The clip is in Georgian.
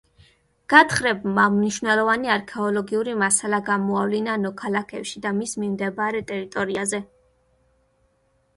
გათხრებმა მნიშვნელოვანი არქეოლოგიური მასალა გამოავლინა ნოქალაქევში და მის მიმდებარე ტერიტორიაზე.